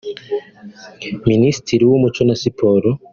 Minisitiri w’Umuco na Siporo